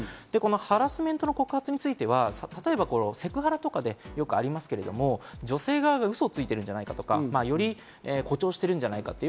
ハラスメントの告発については、例えばセクハラなどでよくありますが、女性がウソをついてるんじゃないかとか、より誇張してるんじゃないか。